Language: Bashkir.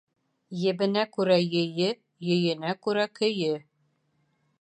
Ебенә күрә йөйө, йөйөнә күрә көйө.